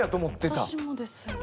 私もです。